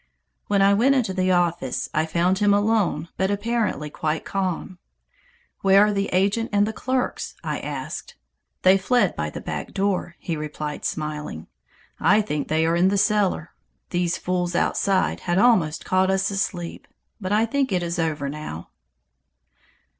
When I went into the office I found him alone but apparently quite calm. "Where are the agent and the clerks?" I asked. "They fled by the back door," he replied, smiling. "I think they are in the cellar. These fools outside had almost caught us asleep, but I think it is over now."